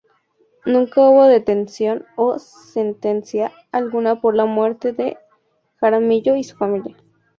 Nunca hubo detención o sentencia alguna por la muerte de Jaramillo y su familia.